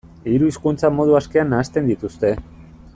Hiru hizkuntzak modu askean nahasten dituzte.